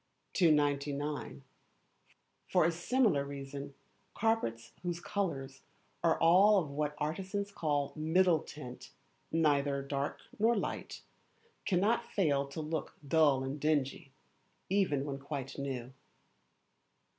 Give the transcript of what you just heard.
299. For a Similar Reason, carpets whose colours are all of what artists call middle tint (neither dark nor light), cannot fail to look dull and dingy, even when quite new.